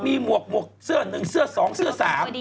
มีหมวกหมวกเสื้อนึงเสื้อ๒เสื้อ๓